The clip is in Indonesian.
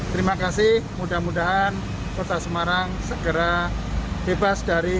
terima kasih mudah mudahan kota semarang segera bebas dari